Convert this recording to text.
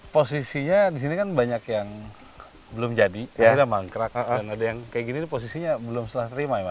posisinya di sini kan banyak yang belum jadi ada mangkrak dan ada yang kayak gini posisinya belum setelah terima ya mas